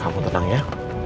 kamu tenang ya